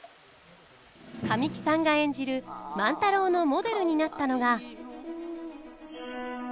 神木さんが演じる万太郎のモデルになったのが。